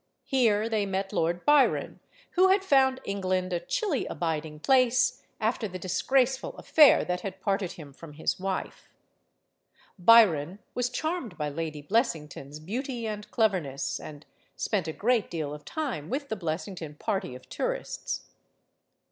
Here they met Lord Byron, who had found England a chilly abiding place, after the disgraceful affair that had parted him from his wife. Byron was charmed by Lady Blessington's beauty and cleverness, and spent a great deal of time with the Blessington party of tourists.